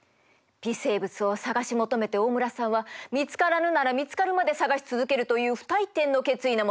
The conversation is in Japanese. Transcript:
微生物を探し求めて大村さんは見つからぬなら見つかるまで探し続けるという不退転の決意の下